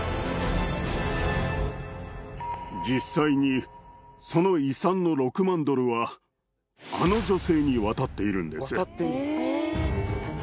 実際にその遺産の６万ドルはあの女性に渡っているんです。